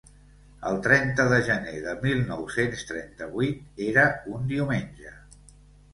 El trenta de gener de mil nou-cents trenta-vuit era un diumenge.